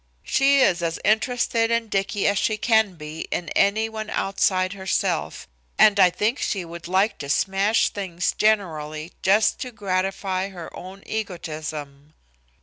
She is as interested in Dicky as she can be in any one outside herself, and I think she would like to smash things generally just to gratify her own egotism."